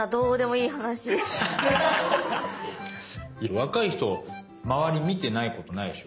いや若い人周り見てないことないでしょ。